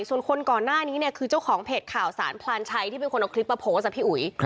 ส่วนคนก่อนหน้านี้เนี่ยคือเจ้าของเพจข่าวสารพลานชัยที่เป็นคนเอาคลิปมาโพสต์อะพี่อุ๋ย